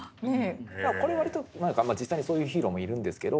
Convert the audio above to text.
これ割と実際にそういうヒーローもいるんですけど。